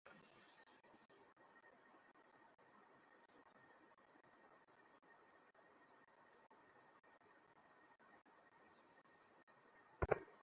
ভুল বানানের জন্য বিভিন্ন স্থানে লাগানো সাইনবোর্ডগুলোর দিকে তাকানো যায় না।